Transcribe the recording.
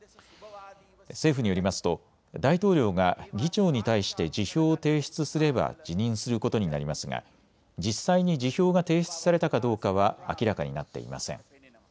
政府によりますと大統領が議長に対して辞表を提出すれば辞任することになりますが実際に辞表が提出されたかどうかは明らかになっていません。